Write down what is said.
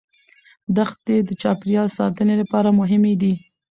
دښتې د چاپیریال ساتنې لپاره مهمې دي.